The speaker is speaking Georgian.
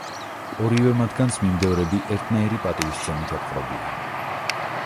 ორივე მათგანს მიმდევრები ერთნაირი პატივისცემით ეპყრობიან.